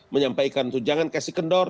menyampaikan itu jangan kasih kendor